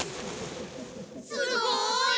すごい！